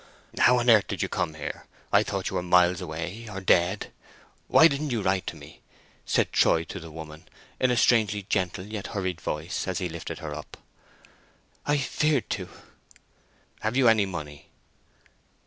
"How on earth did you come here? I thought you were miles away, or dead! Why didn't you write to me?" said Troy to the woman, in a strangely gentle, yet hurried voice, as he lifted her up. "I feared to." "Have you any money?"